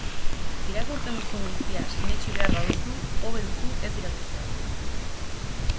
Irakurtzen duzun guztia sinetsi behar baduzu, hobe duzu ez irakurtzea.